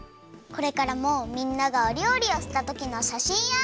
これからもみんながおりょうりをしたときのしゃしんや。